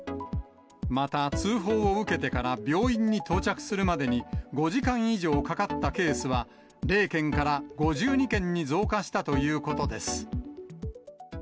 また、通報を受けてから病院に到着するまでに５時間以上かかったケースは０件から５２件に増加したということです。